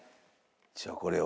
じゃあこれを。